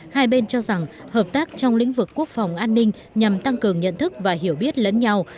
hai bên cho rằng hợp tác trong lĩnh vực quốc phòng an ninh nhằm tăng cường nhận thức và hiểu biết lẫn nhau